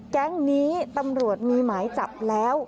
แก๊งนี้ตำรวจมีหมายจับแล้ว